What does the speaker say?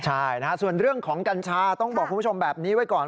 ใช่นะฮะส่วนเรื่องของกัญชาต้องบอกคุณผู้ชมแบบนี้ไว้ก่อน